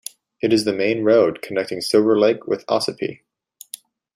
It is the main road connecting Silver Lake with Ossipee.